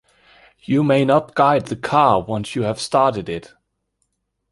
You may not guide the car once you have started it.